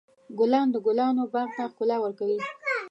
ګلان د ګلانو باغ ته ښکلا ورکوي.